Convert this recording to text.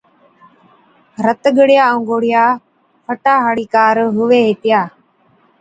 رت ڳڙِيا ائُُون گوڙهِيا فٽا هاڙِي ڪار هُوي هِتِيا۔